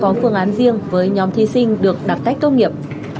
có phương án riêng với nhóm thí sinh được đặt cách tốt nghiệp